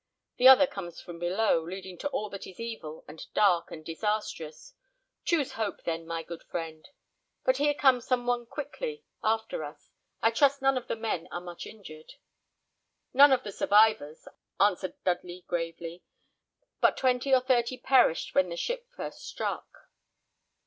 The other comes from below, leading to all that is evil, and dark, and disastrous. Choose hope, then, my good friend. But here comes some one quickly after us. I trust none of the men are much injured?" "None of the survivors," answered Dudley, gravely; "but twenty or thirty perished when the ship first struck."